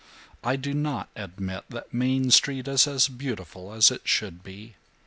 I do not admit that Main Street is as beautiful as it should be!